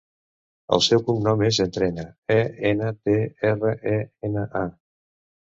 El seu cognom és Entrena: e, ena, te, erra, e, ena, a.